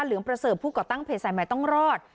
เหลืองประเสริมผู้ก่อตั้งเพศไสมัยต้องรอด